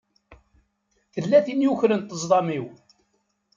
Tella tin i yukren ṭṭezḍam-iw.